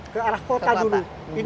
ke arah kota dulu